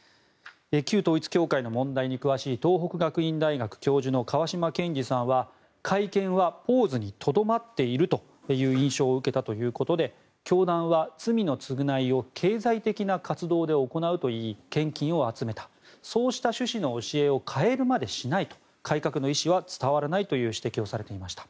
旧統一教会の問題に詳しい東北学院大学教授の川島堅二さんは会見はポーズにとどまっているという印象を受けたということで教団は罪の償いを経済的な活動で行うといい献金を集めたそうした主旨の教えを変えるまでしないと改革の意思は伝わらないという指摘をされていました。